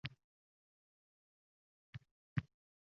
U taxminan o`n to`kqizda edi, lekin hiyla yosh ko`rinardi